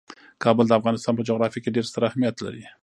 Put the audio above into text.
کابل د افغانستان په جغرافیه کې ډیر ستر اهمیت لري.